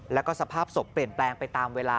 แล้วก็สภาพศพเปลี่ยนแปลงไปตามเวลา